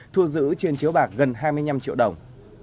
thu giữ trên chiếu bạc gần hai mươi năm triệu đồng